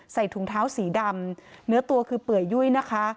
ใส่ถุงเท้าสีดำเนื้อตัวคือเปื่อยยุ่ยนะคะ